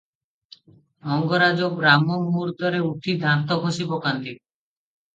ମଙ୍ଗରାଜ ବ୍ରାହ୍ମମୁହୂର୍ତ୍ତରେ ଉଠି ଦାନ୍ତ ଘଷି ପକାନ୍ତି ।